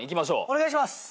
お願いします！